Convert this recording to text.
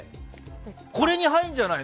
これに入るんじゃないの？